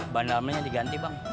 bandalmenya diganti bang